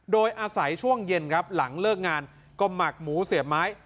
โดยอาศัยช่วงเย็นครับหลังเลิกงานก็หมักหมูเสียบไม้